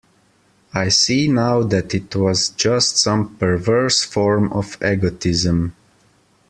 I see now that it was just some perverse form of egotism.